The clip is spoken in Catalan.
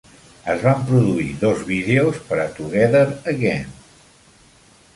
Es van produir dos vídeos per a "Together Again".